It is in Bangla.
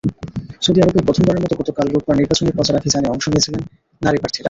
সৌদি আরবে প্রথমবারের মতো গতকাল রোববার নির্বাচনী প্রচারাভিযানে অংশ নিয়েছেন নারী প্রার্থীরা।